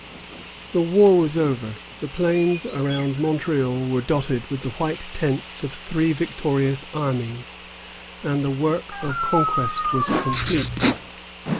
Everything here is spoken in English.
The war was over. The plains around Montreal were dotted with the white tents of three victorious armies, and the work of conquest was complete.